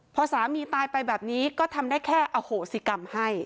พอสามีตายไปแบบนี้ก็ทำได้แค่อโหสิกรรมให้